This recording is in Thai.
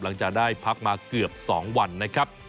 หลังจากได้พักมาเกือบ๒วันนะครับ